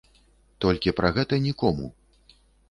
Толькі пра гэта нікому.